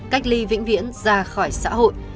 cách ly vĩnh viễn ra khỏi xã hội